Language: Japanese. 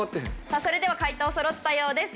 さあそれでは解答そろったようです。